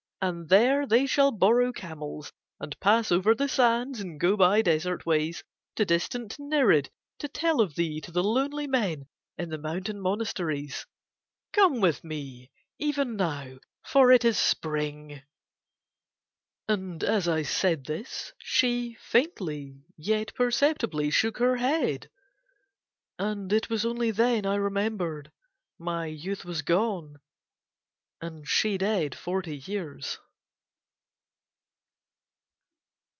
And there they shall borrow camels and pass over the sands and go by desert ways to distant Nirid to tell of thee to the lonely men in the mountain monasteries. "'Come with me even now for it is Spring.'" "And as I said this she faintly yet perceptibly shook her head. And it was only then I remembered my youth was gone, and she dead forty years."